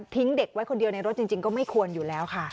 เด็กไว้คนเดียวในรถจริงก็ไม่ควรอยู่แล้วค่ะ